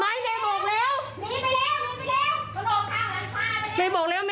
เดี๋ยวให้กลางกินขนม